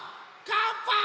かんぱい！